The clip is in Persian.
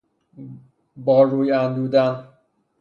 با روی اندودن